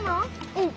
うん。